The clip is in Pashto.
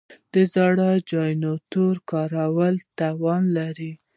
د زړو جنراتورونو کارول تاوان دی.